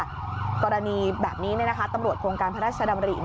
กรณีแบบนี้ตำรวจโครงการพระราชดำริ